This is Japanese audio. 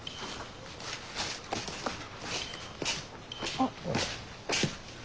あっ。